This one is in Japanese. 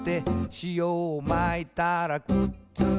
「しおをまいたらくっついた」